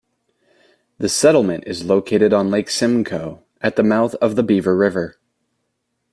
The settlement is located on Lake Simcoe at the mouth of the Beaver River.